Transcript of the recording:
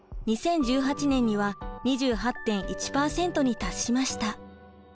２０１８年には２８．１％に達しました。